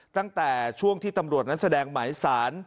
ตั้งแต่ช่วงที่ตำรวจนั้นแสดงหมายสาร